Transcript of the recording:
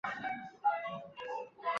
从文化和旅游部获悉